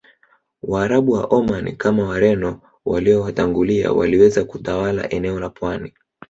Waarabu wa Omani kama Wareno waliowatangulia waliweza kutawala eneo la pwani